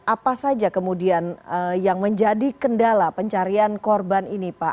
apa saja kemudian yang menjadi kendala pencarian korban ini pak